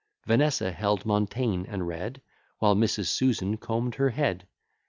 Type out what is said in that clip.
Vanessa held Montaigne, and read, While Mrs. Susan comb'd her head.